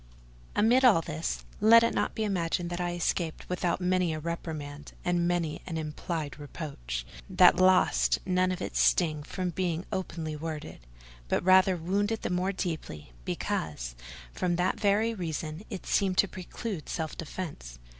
Amid all this, let it not be imagined that I escaped without many a reprimand, and many an implied reproach, that lost none of its sting from not being openly worded; but rather wounded the more deeply, because, from that very reason, it seemed to preclude self defence.